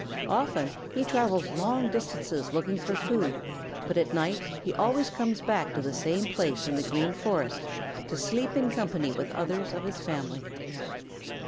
Often he travels long distances looking for food, but at night he always comes back to the same place in the Green Forest, to sleep in company with others of his family.